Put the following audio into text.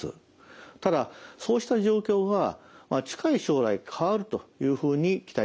ただそうした状況が近い将来変わるというふうに期待しています。